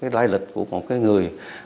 lai lịch của một người